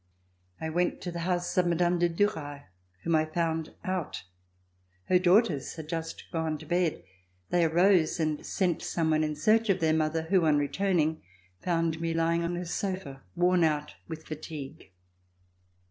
I went to the house of Mme. de Duras whom I found out. Her daughters had just gone to bed. They arose and sent some one in search of their mother who on returning found me lying on her sofa worn out with fatigue.